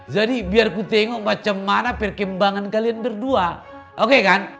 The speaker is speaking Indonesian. jadi biar aku tengok bagaimana perkembangan kalian berdua oke kan